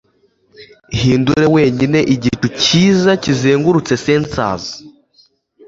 Ihindure wenyine igicu cyiza kizengurutse censers